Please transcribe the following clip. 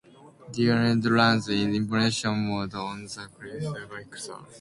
DirectSound runs in emulation mode on the Microsoft software mixer.